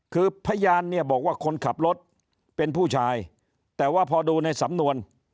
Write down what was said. คือพยานเนี่ยบอกว่าคนขับรถเป็นผู้ชายแต่ว่าพอดูในสำนวน